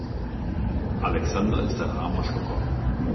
Alexander ist ein armer Schlucker.